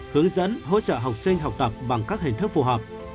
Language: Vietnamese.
hướng dẫn hỗ trợ học sinh học tập bằng các hình thức phù hợp